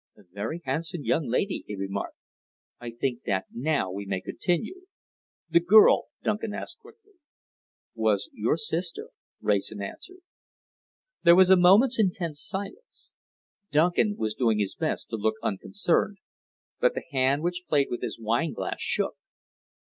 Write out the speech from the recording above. "A very handsome young lady," he remarked. "I think that now we may continue." "The girl?" Duncan asked quickly. "Was your sister," Wrayson answered. There was a moment's intense silence. Duncan was doing his best to look unconcerned, but the hand which played with his wineglass shook.